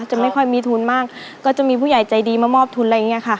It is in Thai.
จะไม่ค่อยมีทุนมากก็จะมีผู้ใหญ่ใจดีมามอบทุนอะไรอย่างเงี้ยค่ะ